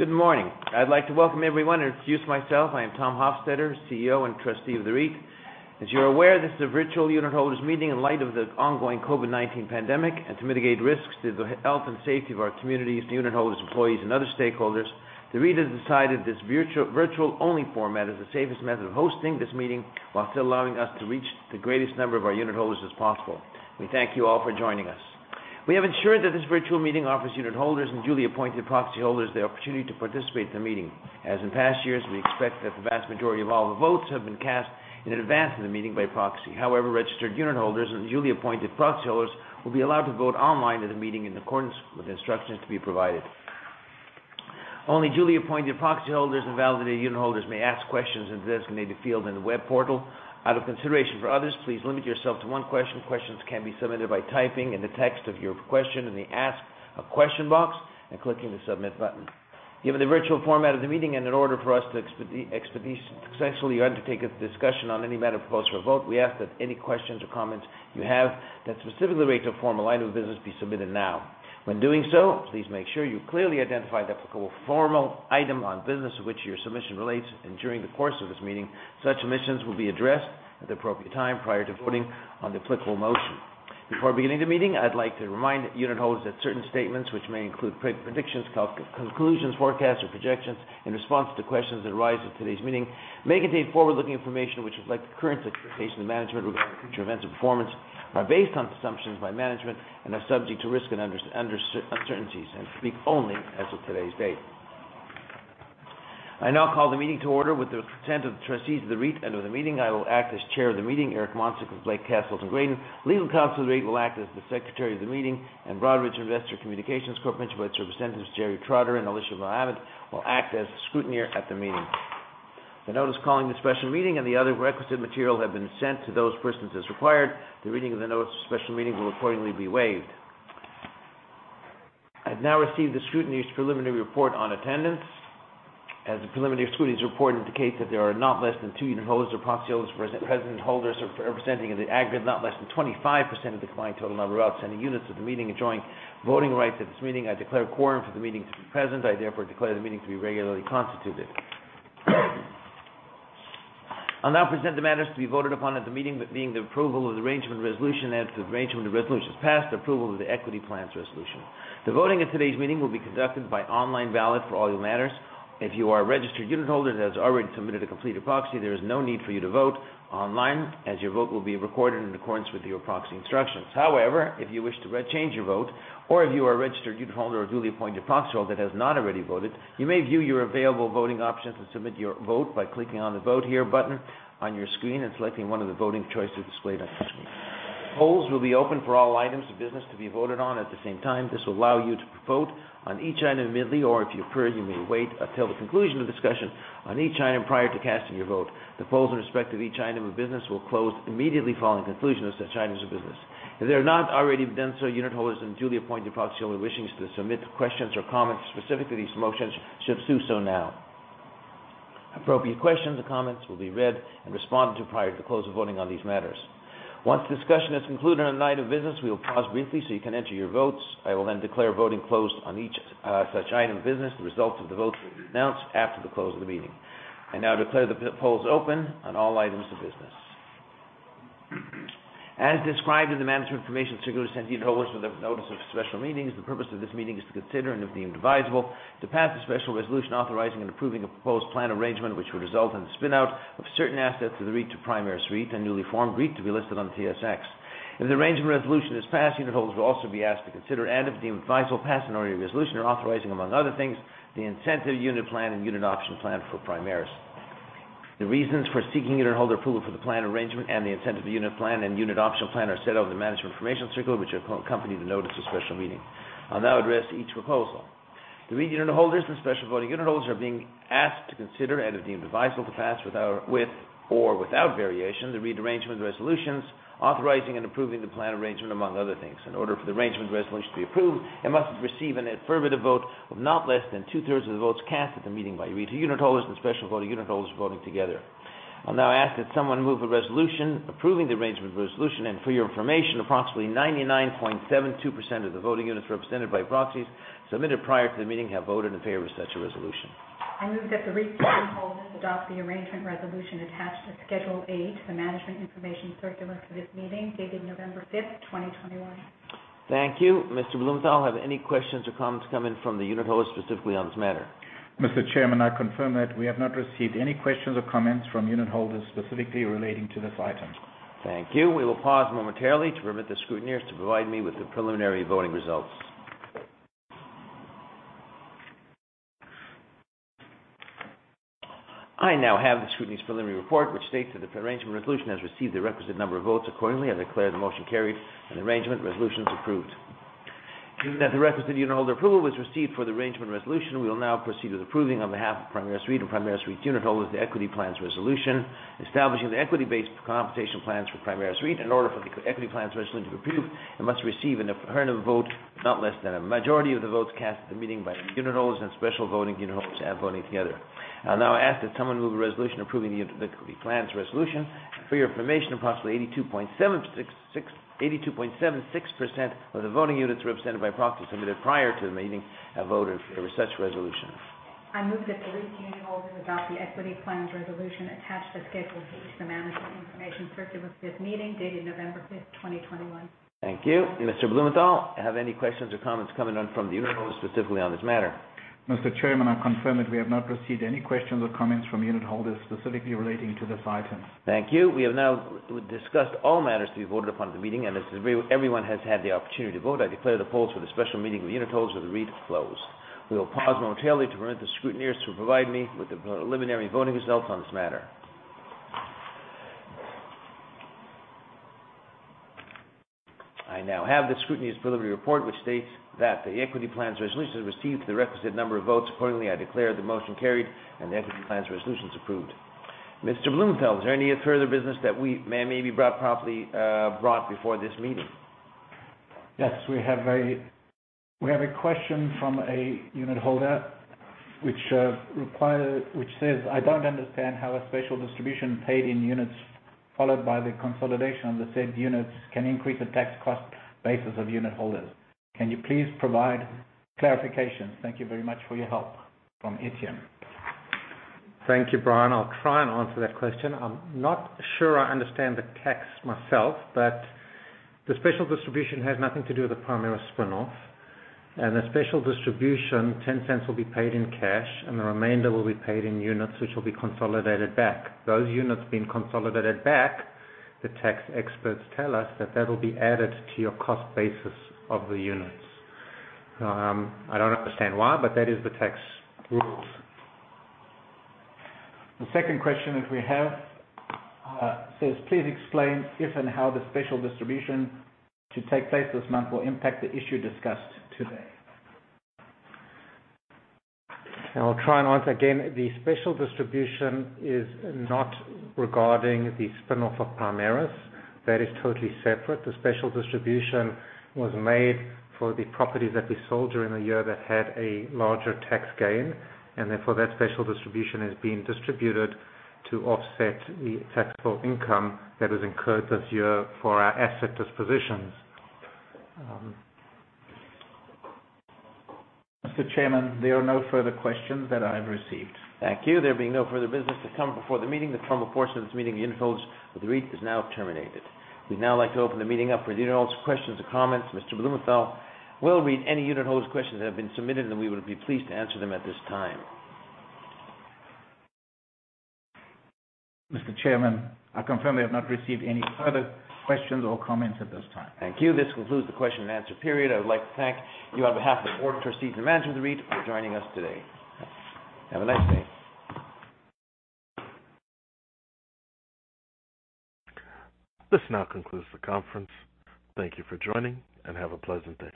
Good morning. I'd like to welcome everyone, introduce myself. I am Tom Hofstedter, CEO and Trustee of the REIT. As you're aware, this is a virtual unitholders meeting in light of the ongoing COVID-19 pandemic and to mitigate risks to the health and safety of our communities, unitholders, employees, and other stakeholders. The REIT has decided this virtual only format is the safest method of hosting this meeting while still allowing us to reach the greatest number of our unitholders as possible. We thank you all for joining us. We have ensured that this virtual meeting offers unitholders and duly appointed proxy holders the opportunity to participate in the meeting. As in past years, we expect that the vast majority of all the votes have been cast in advance of the meeting by proxy. However, registered unitholders and duly appointed proxy holders will be allowed to vote online at the meeting in accordance with the instructions to be provided. Only duly appointed proxy holders and validated unitholders may ask questions in the designated field in the web portal. Out of consideration for others, please limit yourself to one question. Questions can be submitted by typing in the text of your question in the Ask a Question box and clicking the Submit button. Given the virtual format of the meeting and in order for us to expedite successfully undertake a discussion on any matter proposed for a vote, we ask that any questions or comments you have that specifically relate to a formal item of business be submitted now. When doing so, please make sure you clearly identify the applicable formal item of business to which your submission relates. During the course of this meeting, such submissions will be addressed at the appropriate time prior to voting on the applicable motion. Before beginning the meeting, I'd like to remind unitholders that certain statements which may include predictions, conclusions, forecasts, or projections in response to questions that arise at today's meeting may contain forward-looking information which reflect the current expectations of management regarding future events and performance are based on assumptions by management and are subject to risk and uncertainties and speak only as of today's date. I now call the meeting to order with the consent of the Trustees of the REIT under the meeting. I will act as Chair of the meeting. Eric Moncik from Blake, Cassels & Graydon. Legal counsel to the REIT will act as the secretary of the meeting, and Broadridge Investor Communications Corporation, by its representatives, Jeri Trotter and Alicia Mohammed, will act as scrutineer at the meeting. The notice calling the special meeting and the other requisite material have been sent to those persons as required. The reading of the notice of special meeting will accordingly be waived. I've now received the scrutineer's preliminary report on attendance. As the preliminary scrutineer's report indicates that there are not less than two unitholders or proxy holders present representing the aggregate not less than 25% of the total number of outstanding units entitled to vote at this meeting, I declare quorum for the meeting to be present. I therefore declare the meeting to be regularly constituted. I'll now present the matters to be voted upon at the meeting, that being the approval of the Arrangement Resolution. If the Arrangement Resolution is passed, the approval of the Equity Plans Resolution. The voting at today's meeting will be conducted by online ballot for all your matters. If you are a registered unitholder that has already submitted a completed proxy, there is no need for you to vote online as your vote will be recorded in accordance with your proxy instructions. However, if you wish to re-change your vote or if you are a registered unitholder or duly appointed proxy holder that has not already voted, you may view your available voting options and submit your vote by clicking on the Vote Here button on your screen and selecting one of the voting choices displayed on the screen. Polls will be open for all items of business to be voted on at the same time. This will allow you to vote on each item immediately or if you prefer, you may wait until the conclusion of discussion on each item prior to casting your vote. The polls in respect to each item of business will close immediately following conclusion of such items of business. If they've not already done so, unitholders and duly appointed proxy holders wishing to submit questions or comments specific to these motions should do so now. Appropriate questions or comments will be read and responded to prior to close of voting on these matters. Once the discussion is concluded on an item of business, we will pause briefly so you can enter your votes. I will then declare voting closed on each such item of business. The results of the vote will be announced after the close of the meeting. I now declare the polls open on all items of business. As described in the Management Information Circular sent to unitholders with the notice of special meetings, the purpose of this meeting is to consider and, if deemed advisable, to pass the special resolution authorizing and approving a proposed Plan of Arrangement which would result in the spin-out of certain assets of the REIT to Primaris REIT, a newly formed REIT to be listed on the TSX. If the Arrangement Resolution is passed, unitholders will also be asked to consider and, if deemed advisable, pass an ordinary resolution authorizing, among other things, the Incentive Unit Plan and Unit Option Plan for Primaris. The reasons for seeking unitholder approval for the Plan of Arrangement and the Incentive Unit Plan and Unit Option Plan are set out in the Management Information Circular, which accompanies the notice of special meeting. I'll now address each proposal. The REIT unitholders and special voting unitholders are being asked to consider and, if deemed advisable, to pass, with or without variation, the Arrangement Resolution authorizing and approving the Plan of Arrangement, among other things. In order for the Arrangement Resolution to be approved, it must receive an affirmative vote of not less than two-thirds of the votes cast at the meeting by REIT unitholders and special voting unitholders voting together. I'll now ask that someone move a resolution approving the Arrangement Resolution. For your information, approximately 99.72% of the voting units represented by proxies submitted prior to the meeting have voted in favor of such a resolution. I move that the REIT unitholders adopt the Arrangement Resolution attached to Schedule A to the Management Information Circular for this meeting dated November 5th, 2021. Thank you. Mr. Blumenthal, have any questions or comments come in from the unitholders specifically on this matter? Mr. Chairman, I confirm that we have not received any questions or comments from unitholders specifically relating to this item. Thank you. We will pause momentarily to permit the scrutineers to provide me with the preliminary voting results. I now have the scrutineer's preliminary report, which states that the Arrangement Resolution has received the requisite number of votes. Accordingly, I declare the motion carried and the Arrangement Resolutions approved. Given that the requisite unitholder approval was received for the Arrangement Resolution, we will now proceed with approving on behalf of Primaris REIT and Primaris REIT unitholders, the Equity Plans Resolution establishing the equity-based compensation plans for Primaris REIT. In order for the Equity Plans Resolution to be approved, it must receive an affirmative vote, not less than a majority of the votes cast at the meeting by unitholders and special voting unitholders and voting together. I'll now ask that someone move a resolution approving the Equity Plans Resolution. For your information, approximately 82.76% of the voting units represented by proxies submitted prior to the meeting have voted for such resolution. I move that the unitholders adopt the Equity Plans Resolution attached to Schedule B to the Management Information Circular circulated with this meeting dated November 5th, 2021. Thank you. Mr. Blumenthal, have any questions or comments coming in from the unitholders specifically on this matter? Mr. Chairman, I confirm that we have not received any questions or comments from unitholders specifically relating to this item. Thank you. We have now discussed all matters to be voted upon at the meeting, and as everyone has had the opportunity to vote, I declare the polls for the special meeting with unitholders of the REIT closed. We will pause momentarily to permit the scrutineers to provide me with the preliminary voting results on this matter. I now have the scrutineer's preliminary report, which states that the Equity Plans Resolution received the requisite number of votes. Accordingly, I declare the motion carried and the equity plans resolutions approved. Mr. Blumenthal, is there any further business that may be brought properly before this meeting? Yes, we have a question from a unitholder which says, "I don't understand how a special distribution paid in units followed by the consolidation of the said units can increase the tax cost basis of unitholders. Can you please provide clarification? Thank you very much for your help. From Etienne. Thank you, Brian. I'll try and answer that question. I'm not sure I understand the tax myself, but the special distribution has nothing to do with the Primaris spin-off. The special distribution, 0.10 will be paid in cash, and the remainder will be paid in units which will be consolidated back. Those units being consolidated back, the tax experts tell us that that'll be added to your cost basis of the units. I don't understand why, but that is the tax rules. The second question that we have says, "Please explain if and how the special distribution to take place this month will impact the issue discussed today. I'll try and answer again. The special distribution is not regarding the spin-off of Primaris. That is totally separate. The special distribution was made for the properties that we sold during the year that had a larger tax gain, and therefore that special distribution is being distributed to offset the taxable income that was incurred this year for our asset dispositions. Mr. Chairman, there are no further questions that I have received. Thank you. There being no further business to come before the meeting, the formal portion of this meeting with unitholders of the REIT is now terminated. We'd now like to open the meeting up for the unitholders' questions and comments. Mr. Blumenthal will read any unitholder questions that have been submitted, and we would be pleased to answer them at this time. Mr. Chairman, I confirm we have not received any further questions or comments at this time. Thank you. This concludes the question and answer period. I would like to thank you on behalf of the Board of Trustees and Management of the REIT for joining us today. Have a nice day. This now concludes the conference. Thank you for joining, and have a pleasant day.